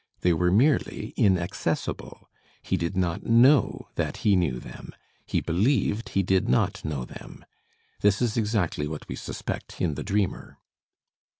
They were merely inaccessible, he did not know that he knew them; he believed he did not know them. This is exactly what we suspect in the dreamer.